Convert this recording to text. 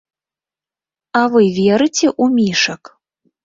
А вы верыце ў мішак?